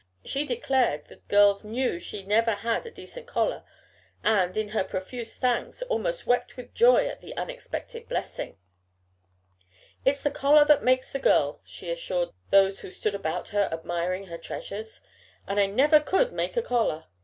She declared the girls knew she never had a decent collar, and, in her profuse thanks, almost wept with joy at the unexpected blessing. "It's the collar that makes the girl," she assured those who stood about her admiring her treasures, "and I never could make the collar.